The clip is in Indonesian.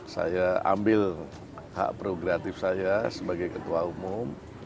saya ambil hak progratif saya sebagai ketua umum